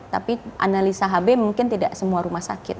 tapi analisa hb mungkin tidak semua rumah sakit